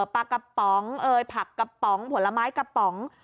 ปลากระป๋องเอ่ยผักกระป๋องผลไม้กระป๋อง